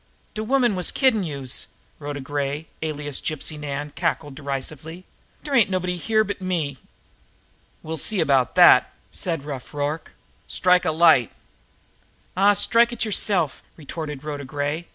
"De woman was kiddin' youse!" Rhoda Gray, alias Gypsy Nan, cackled derisively. "Dere ain't nobody here but me." "We'll see about that!" said Rough Rorke shortly. "Strike a light!" "Aw, strike it yerself!" retorted Rhoda Gray.